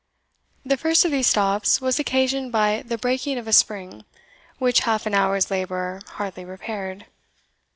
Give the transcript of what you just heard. The first of these stops was occasioned by the breaking of a spring, which half an hour's labour hardly repaired.